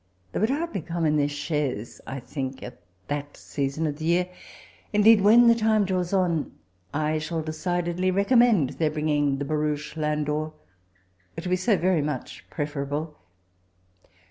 They would hardly come in their chaise, I think, at that season of the year. Indeed, when the time draws on, I shall decidedly re commend their bringing the baroudie landau; it will be so very much prefe^ able.